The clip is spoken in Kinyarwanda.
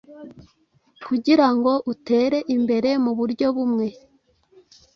kugirango utere imbere muburyo bumwe